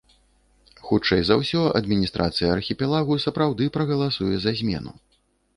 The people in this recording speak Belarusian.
Хутчэй за ўсё, адміністрацыя архіпелагу сапраўды прагаласуе за змену.